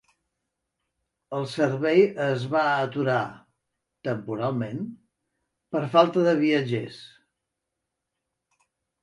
El servei es va aturar "temporalment" per falta de viatgers.